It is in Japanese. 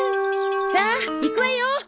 さあ行くわよ！